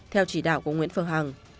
theo chỉ đạo của nguyễn phương hằng